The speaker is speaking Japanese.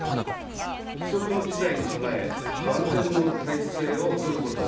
不測の事態に備え万全の体制をとること。